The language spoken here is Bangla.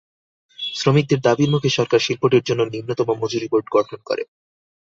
শ্রমিকদের দাবির মুখে সরকার শিল্পটির জন্য নিম্নতম মজুরি বোর্ড গঠন করে।